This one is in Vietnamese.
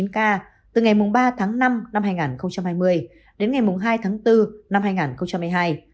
số ca tử vong thực sự ở nam phi có thể là ba trăm linh ba chín trăm sáu mươi chín ca từ ngày ba tháng năm năm hai nghìn hai mươi đến ngày hai tháng bốn năm hai nghìn một mươi hai